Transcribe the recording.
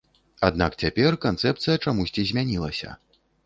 Аднак цяпер канцэпцыя чамусьці змянілася.